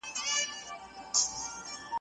کله نوي پولې رسم کیږي؟